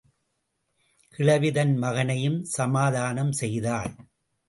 கிழவி தன் மகனையும் சமாதானம் செய்தாள்.